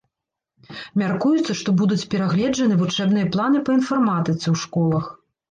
Мяркуецца, што будуць перагледжаны вучэбныя планы па інфарматыцы ў школах.